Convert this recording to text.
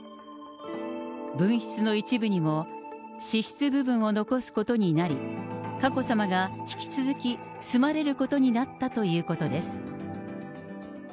分室の一部にも、私室部分を残すことになり、佳子さまが引き続き住まれることになったということです。